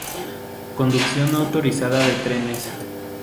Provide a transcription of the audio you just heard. Conducción no automatizada de trenes.